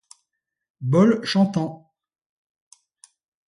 Bols chantants.